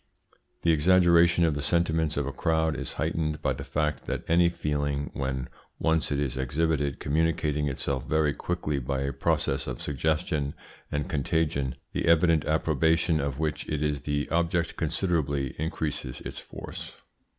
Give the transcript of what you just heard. The exaggeration of the sentiments of a crowd is heightened by the fact that any feeling when once it is exhibited communicating itself very quickly by a process of suggestion and contagion, the evident approbation of which it is the object considerably increases its force.